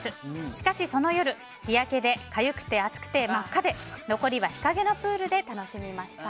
しかし、その夜日焼けでかゆくて暑くて真っ赤で残りは日陰のプールで楽しみました。